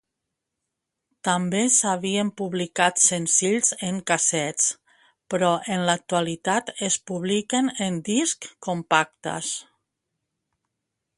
També s'havien publicat senzills en cassets, però en l'actualitat es publiquen en discs compactes.